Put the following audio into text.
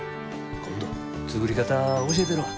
今度作り方教えたるわ。